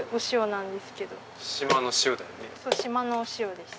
そう島のお塩です。